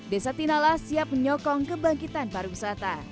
desa tinala siap menyokong kebangkitan para wisata